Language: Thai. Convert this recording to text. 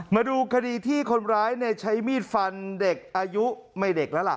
มาดูคดีที่คนร้ายใช้มีดฟันเด็กอายุไม่เด็กแล้วล่ะ